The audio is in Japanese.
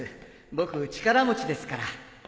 僕力持ちですから